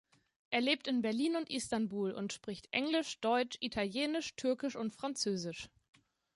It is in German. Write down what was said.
Er lebt in Berlin und Istanbul, und spricht Englisch, Deutsch, Italienisch, Türkisch und Französisch.